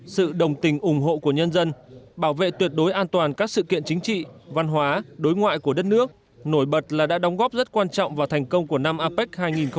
sự đồng tình ủng hộ của nhân dân bảo vệ tuyệt đối an toàn các sự kiện chính trị văn hóa đối ngoại của đất nước nổi bật là đã đóng góp rất quan trọng vào thành công của năm apec hai nghìn hai mươi